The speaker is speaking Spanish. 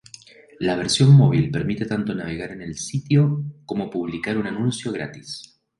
La versión móvil permite tanto navegar en el sitio, como publicar un anuncio gratis.